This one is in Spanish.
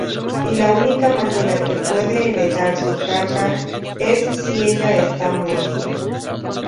Y la única manera que puede heredar su carga es si ella está muerta.